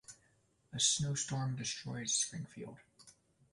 A snowstorm destroys Springfield.